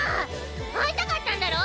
会いたかったんだろ！！